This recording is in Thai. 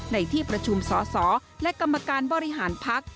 ในที่ประชุมสอสอและกรรมการบริหารพัก